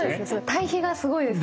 対比がすごいですね。